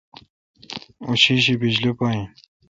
او شیشی بجلی پا این۔